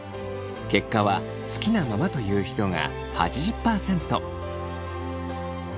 結果は好きなままという人が８０％。